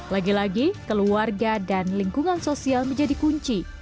lagi lagi keluarga dan lingkungan sosial menjadi kunci